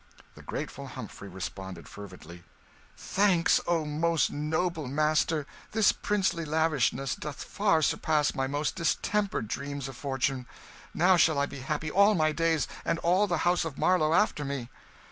The grateful Humphrey responded fervidly "Thanks, O most noble master, this princely lavishness doth far surpass my most distempered dreams of fortune. Now shall I be happy all my days, and all the house of Marlow after me."